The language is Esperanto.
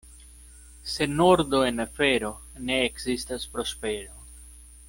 Sen ordo en afero ne ekzistas prospero.